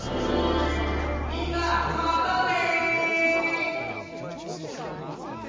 みんなまたね！